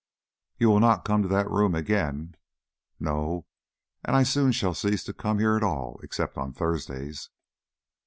"You will not come to that room again!" "No. And I soon shall cease to come here at all except on Thursdays."